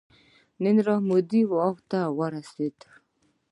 نریندرا مودي واک ته ورسید.